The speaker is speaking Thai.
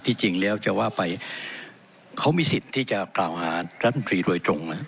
จริงแล้วจะว่าไปเขามีสิทธิ์ที่จะกล่าวหารัฐมนตรีโดยตรงนะ